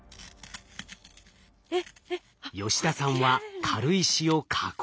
吉田さんは軽石を加工。